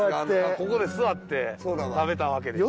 ここで座って食べたわけでしょ？